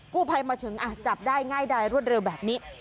กู้ไพรมาถึงอ่ะจับได้ง่ายได้รวดเร็วแบบนี้